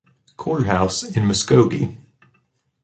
Courthouse in Muskogee.